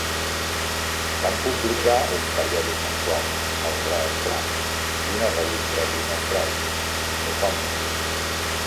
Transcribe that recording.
Van publicar un periòdic mensual, el "Red Flag", i una revista trimestral, "The Communist".